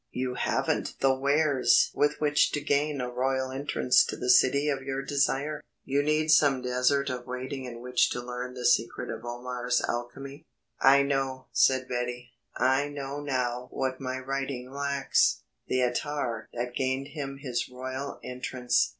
You haven't the wares with which to gain a royal entrance to the City of your Desire. You need some desert of waiting in which to learn the secret of Omar's alchemy." "I know," said Betty. "I know now what my writing lacks the attar that gained him his royal entrance."